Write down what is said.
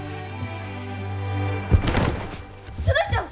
鈴ちゃん！